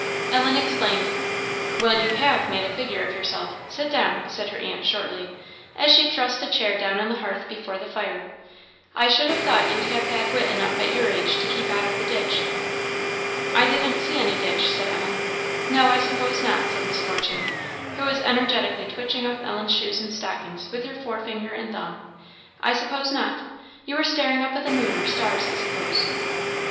Ellen explained. "Well, you have made a figure of yourself! Sit down!" said her aunt, shortly, as she thrust a chair down on the hearth before the fire "I should have thought you'd have had wit enough at your age, to keep out of the ditch." "I didn't see any ditch," said Ellen. "No, I suppose not," said Miss Fortune, who was energetically twitching off Ellen's shoes and stockings with her fore finger and thumb "I suppose not; you were staring up at the moon or stars, I suppose."